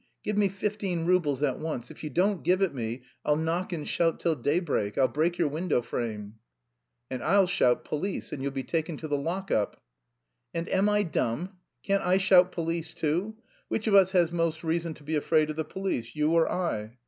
"Give me fifteen roubles at once. If you don't give it me, I'll knock and shout till daybreak; I'll break your window frame." "And I'll shout police and you'll be taken to the lock up." "And am I dumb? Can't I shout 'police' too? Which of us has most reason to be afraid of the police, you or I?"